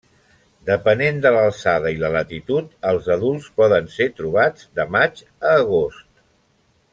Depenent de l'alçada i la latitud, els adults poden ser trobats de maig a agost.